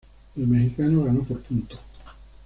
El mexicano ganó por puntos.